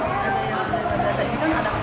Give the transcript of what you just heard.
misalnya kan ayam itu berbalik gitu